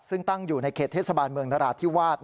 ซึ่งตั้งอยู่ในเขตเทศบาลเมืองนราธิวาส